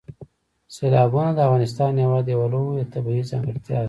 سیلابونه د افغانستان هېواد یوه لویه طبیعي ځانګړتیا ده.